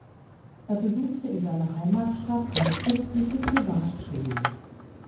Er besuchte in seiner Heimatstadt eine christliche Privatschule.